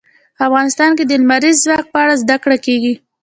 افغانستان کې د لمریز ځواک په اړه زده کړه کېږي.